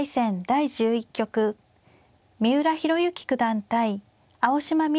第１１局三浦弘行九段対青嶋未来